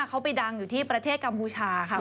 เขาไปดังอยู่ที่ประเทศกัมพูชาค่ะ